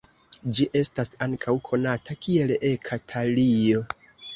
Ĝi estas ankaŭ konata kiel eka-talio.